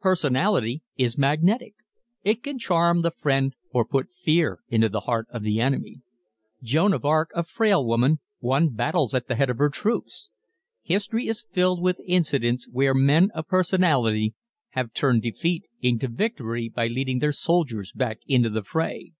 Personality is magnetic. It can charm the friend or put fear into the heart of the enemy. Joan of Arc, a frail woman, won battles at the head of her troops. History is filled with incidents where men of personality have turned defeat into victory by leading their soldiers back into the fray.